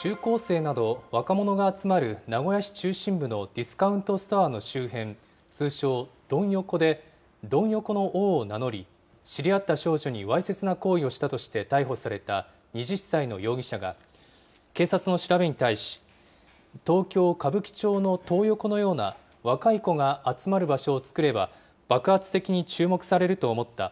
中高生など、若者が集まる名古屋市中心部のディスカウントストアの周辺、通称、ドン横でドン横の王を名乗り、知り合った少女にわいせつな行為をしたとして逮捕された２０歳の容疑者が、警察の調べに対し、東京・歌舞伎町のトー横のような若い子が集まる場所を作れば、爆発的に注目されると思った。